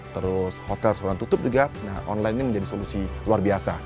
terus hotel tutup juga online ini menjadi solusi luar biasa